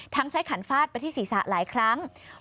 ใช้ขันฟาดไปที่ศีรษะหลายครั้ง